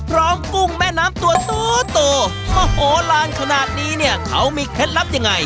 กุ้งแม่น้ำตัวโตมโหลานขนาดนี้เนี่ยเขามีเคล็ดลับยังไง